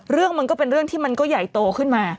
เรื่องมันก็เป็นเรื่องที่มันก็ใหญ่โตขึ้นมา